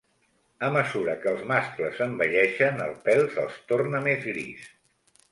A mesura que els mascles envelleixen, el pèl se'ls torna més gris.